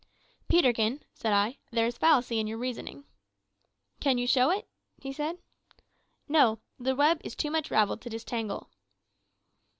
"Peterkin," said I, "there is fallacy in your reasoning." "Can you show it?" said he. "No; the web is too much ravelled to disentangle."